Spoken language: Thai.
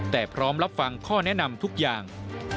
แต่พร้อมรับฟังข้อแนะนำทุกอย่าง